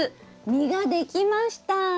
実ができました！